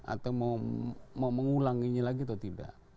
atau mau mengulanginya lagi atau tidak